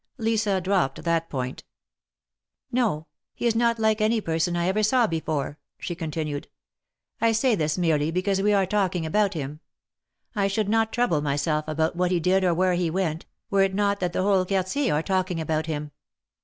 Lisa dropped that point No ; he is not like any person I ever saw before," she continued. say this merely because we are talking about him. I should not trouble myself about what he did or where he went, were it not that the whole Quartier are talking about him.